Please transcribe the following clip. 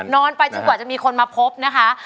นอนไปจนกว่าจะมีคนมาพบนะคะ